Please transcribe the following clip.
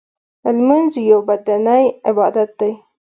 لمونځ یو بدنی عبادت دی .